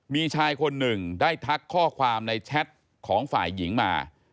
มีชายคนหนึ่งได้ทักข้อความในแชทของฝ่ายหญิงมา